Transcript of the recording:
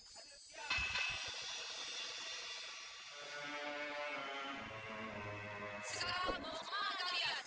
sekarang mau ke malang kalian